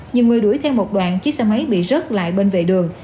nhiều người đuổi theo một đoạn chiếc xe máy bị rớt lại bên vệ đường